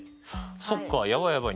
そっかやばいやばい。